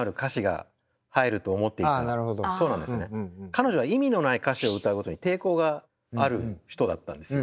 彼女は意味のない歌詞を歌うことに抵抗がある人だったんです。